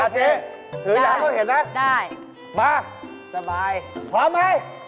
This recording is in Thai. อ๋อเจ๊ถืออย่างต้องเห็นนะมาสบายพร้อมไหม